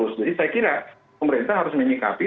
jadi saya kira pemerintah harus menyikapi